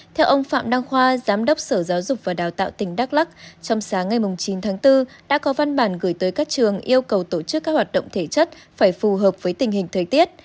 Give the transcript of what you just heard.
theo ông phạm đăng khoa giám đốc sở giáo dục và đào tạo tỉnh đắk lắc trong sáng ngày chín tháng bốn đã có văn bản gửi tới các trường yêu cầu tổ chức các hoạt động thể chất phải phù hợp với tình hình thời tiết